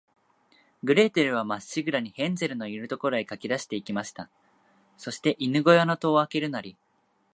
グレーテルは、まっしぐらに、ヘンゼルのいる所へかけだして行きました。そして、犬ごやの戸をあけるなり、